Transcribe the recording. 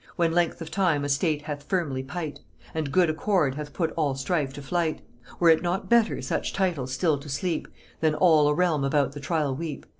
When length of time a state hath firmly pight, And good accord hath put all strife to flight, Were it not better such titles still to sleep Than all a realm about the trial weep?"